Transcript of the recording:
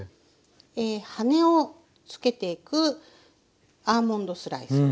羽をつけていくアーモンドスライス。